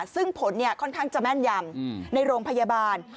ซึ่งผลค่อนข้างจะแม่นยำในโรงพยาบาล